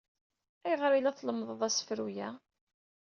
Ayɣer ay la tlemmdeḍ asefru-a?